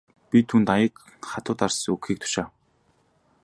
Би түүнд аяга хатуу дарс өгөхийг тушаав.